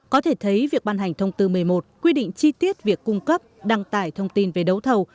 có thể thấy việc ban hành thông tư một mươi một quy định chi tiết việc cung cấp đăng tải thông tin về đấu thầu